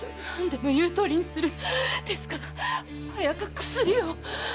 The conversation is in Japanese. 何でも言うとおりにするですから早く薬を！